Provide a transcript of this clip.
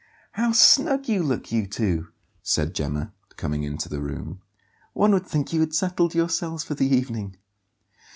"How snug you look, you two!" said Gemma, coming into the room. "One would think you had settled yourselves for the evening."